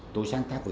tôi sáng tác về bác